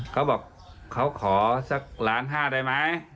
เขาบอกเขาขอสักล้านห้าได้ไหม